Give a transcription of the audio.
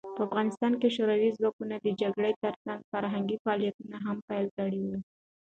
په افغانستان کې شوروي ځواکونه د جګړې ترڅنګ فرهنګي فعالیتونه هم پیل کړي وو.